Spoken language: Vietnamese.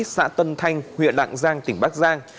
xã tân thanh huyện lạng giang tỉnh bắc giang